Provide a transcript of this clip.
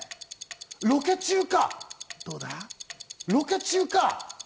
ロケ中か？